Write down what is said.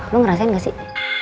lo ngerasain gak sih